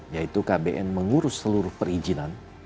yaitu kbn mengurus seluruh perizinan